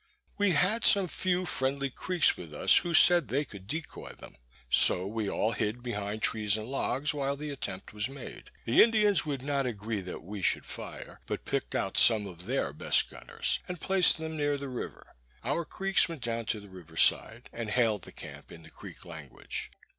We had some few friendly Creeks with us, who said they could decoy them. So we all hid behind trees and logs, while the attempt was made. The Indians would not agree that we should fire, but pick'd out some of their best gunners, and placed them near the river. Our Creeks went down to the river's side, and hailed the camp in the Creek language.